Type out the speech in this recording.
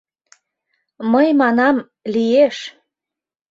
Мый манам — лиеш!